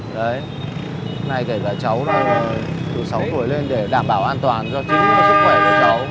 đấy nay kể cả cháu đã đủ sáu tuổi lên để đảm bảo an toàn cho chính sức khỏe cho cháu